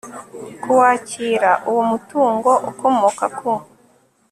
kuwakira uwo mutungo ukomoka ku